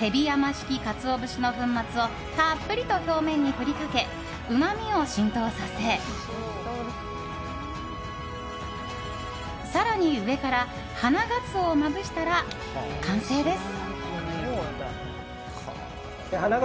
手火山式鰹節の粉末をたっぷりと表面に振りかけうまみを浸透させ更に上から花ガツオをまぶしたら完成です。